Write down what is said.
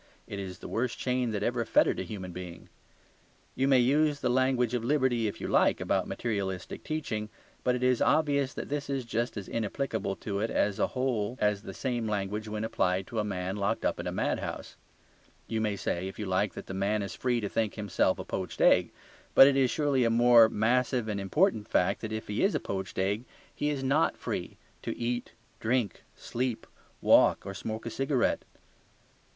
It is the worst chain that ever fettered a human being. You may use the language of liberty, if you like, about materialistic teaching, but it is obvious that this is just as inapplicable to it as a whole as the same language when applied to a man locked up in a mad house. You may say, if you like, that the man is free to think himself a poached egg. But it is surely a more massive and important fact that if he is a poached egg he is not free to eat, drink, sleep, walk, or smoke a cigarette.